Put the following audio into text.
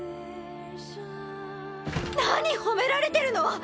何褒められてるの⁉